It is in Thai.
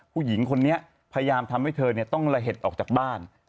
ผู้หญิงคนนี้พยายามทำให้เธอต้องระเห็ดออกจากบ้าน